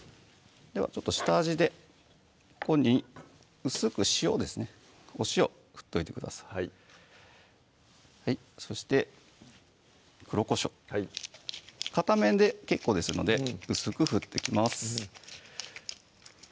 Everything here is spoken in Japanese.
下味でここに薄く塩ですねお塩振っといてくださいそして黒こしょうはい片面で結構ですので薄く振っときます